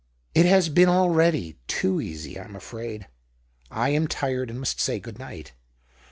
" It has been already — too easy, I'm afraid." " I am tired, and must say good night."